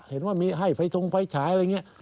เห็นว่ามีให้ไฟทุ้งไฟฉายอะไรเงี้ย